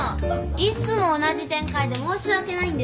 いつも同じ展開で申し訳ないんですけど。